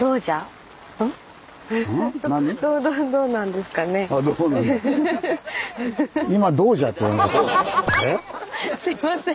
すみません